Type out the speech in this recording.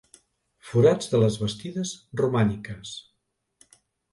Forats de les bastides romàniques.